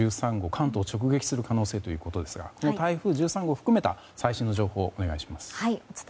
関東を直撃する可能性ですがこの台風１３号を含めた最新の情報をお願いします。